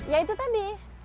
ya itu tadi